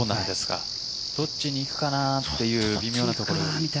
どっちに行くかなという微妙なところ。